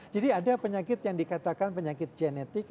jadi ada penyakit yang dikatakan penyakit genetik